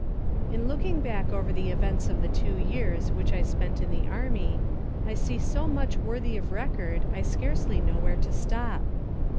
In looking back over the events of the two years which I spent in the army, I see so much worthy of record I scarcely know where to stop.